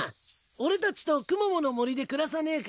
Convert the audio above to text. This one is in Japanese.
俺たちとクモモの森で暮らさねえか？